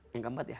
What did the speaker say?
yang keempat ya